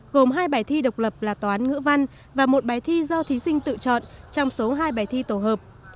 gồm hai bài thi độc lập là toán ngữ văn và một bài thi do thí sinh tự chọn trong số hai bài thi tổ hợp